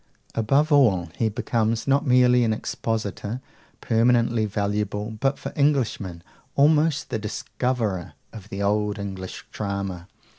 Above all, he becomes not merely an expositor, permanently valuable, but for Englishmen almost the discoverer of the old English drama.